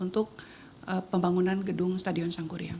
untuk pembangunan gedung stadion sangkuriang